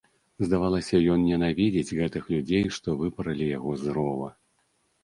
Здавалася, ён ненавідзіць гэтых людзей, што выпаралі яго з рова.